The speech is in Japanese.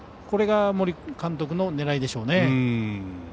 これが森監督の狙いでしょうね。